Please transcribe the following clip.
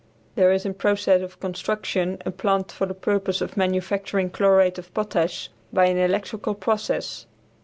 There is in process of construction a plant for the purpose of manufacturing chlorate of potash by an electrical process.